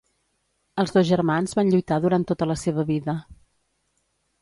Els dos germans van lluitar durant tota la seva vida.